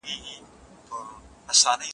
حق لرمه والوزم اسمان ته الوته لرم